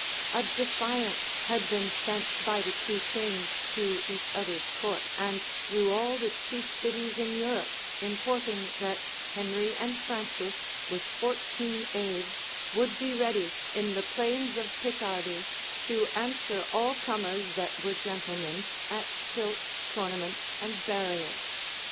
A defiance had been sent by the two kings to each other's court, and through all the chief cities in Europe, importing, that Henry and Francis, with fourteen aids, would be ready, in the plains of Picardy, to answer all comers that were gentlemen, at tilt, tournament, and barriers.